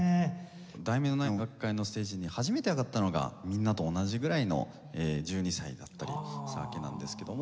『題名のない音楽会』のステージに初めて上がったのがみんなと同じぐらいの１２歳だったりしたわけなんですけども。